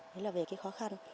đấy là về cái khó khăn